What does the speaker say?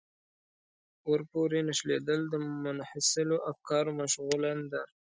ورپورې نښلېدل د منحطو افکارو مشغولا ده.